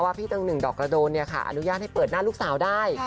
พี่ตังหนึ่งดอกกระโดนอนุญาตให้เปิดหน้าลูกสาวได้